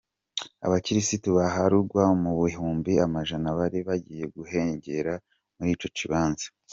Abakirisu baharugwa mu bihumbi amajana bari bagiye gushengerera muri ico kibanza.